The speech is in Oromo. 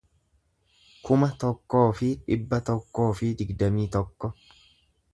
kuma tokkoo fi dhibba tokkoo fi digdamii tokko